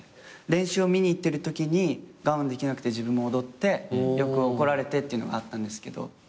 練習を見に行ってるときに我慢できなくて自分も踊ってよく怒られてっていうのがあったんですけど。